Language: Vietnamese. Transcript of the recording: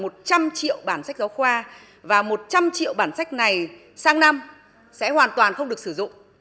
một trăm linh triệu bản sách giáo khoa và một trăm linh triệu bản sách này sang năm sẽ hoàn toàn không được sử dụng